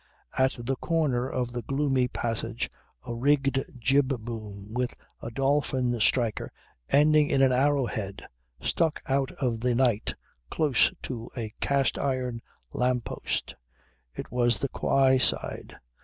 At the corner of the gloomy passage a rigged jib boom with a dolphin striker ending in an arrow head stuck out of the night close to a cast iron lamp post. It was the quay side.